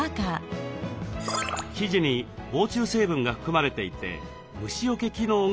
生地に防虫成分が含まれていて虫よけ機能があります。